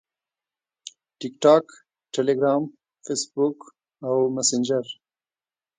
- Facebook، Telegram، TikTok او Messenger